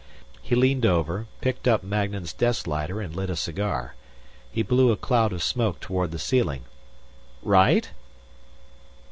He leaned over, picked up Magnan's desk lighter and lit a cigar. He blew a cloud of smoke toward the ceiling. "Right?"